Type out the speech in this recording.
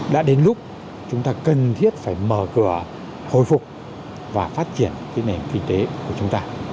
đã đến lúc chúng ta cần thiết phải mở cửa hồi phục và phát triển nền kinh tế của chúng ta